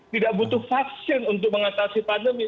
tidak butuh vaksin untuk mengatasi pandemi